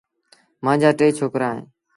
مآݩجآ ٽي ڇوڪرآ اوهيݩ ۔